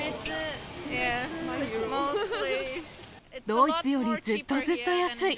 ドイツよりずっとずっと安い。